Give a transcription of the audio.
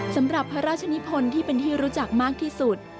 สำหรับพระราชนิพลที่เป็นที่รู้จักมากที่สุด